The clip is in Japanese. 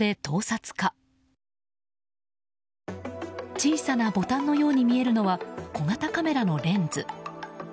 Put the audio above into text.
小さなボタンのように見えるのは小型カメラのレンズ。